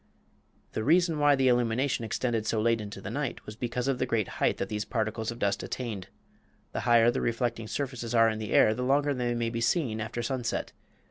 The reason why the illumination extended so late in the night was because of the great height that these particles of dust attained. The higher the reflecting surfaces are in the air the longer they may be seen after sunset.